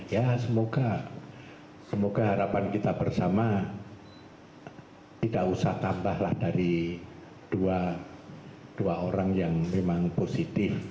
ya semoga harapan kita bersama tidak usah tambah dari dua orang yang memang positif